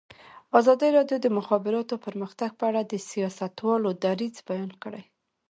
ازادي راډیو د د مخابراتو پرمختګ په اړه د سیاستوالو دریځ بیان کړی.